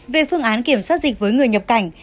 về phương án kiểm soát dịch với người nhập cảnh